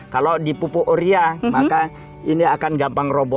kalau dipupuk oria maka ini akan gampang robo